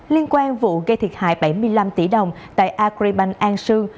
liên quan vụ gây thiệt hại bảy mươi năm tỷ đồng tại agribank an sư